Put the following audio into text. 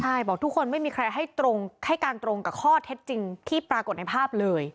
ใช่บอกทุกคนไม่มีใครให้ตรงให้การตรงกับข้อเท็จจริงที่ปรากฏในภาพเลย